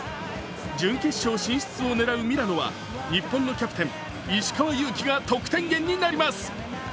準決勝進出を狙うミラノは、日本のキャプテン、石川祐希が得点源になります。